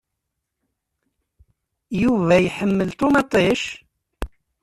Yuba iḥemmel ṭumaṭic?